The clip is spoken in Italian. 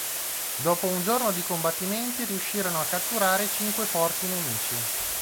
Dopo un giorno di combattimenti riuscirono a catturare cinque forti nemici.